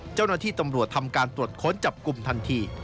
เจ้าหน้าที่ตำรวจทำการตรวจค้นจับกลุ่มทันที